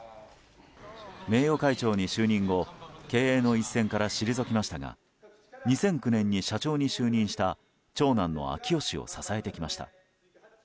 名誉会長に就任後経営の一線から退きましたが２００９年に社長に就任した長男の章男氏を支えてきました。